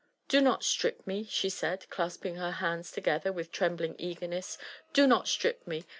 ''Do not strip me I" she said, clasping her hands together wMi trembling eagerness, —Do not strip me